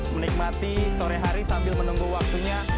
menikmati sore hari sambil menunggu waktunya